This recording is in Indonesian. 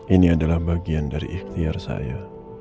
ini adalah bagian dari ikhtiar saya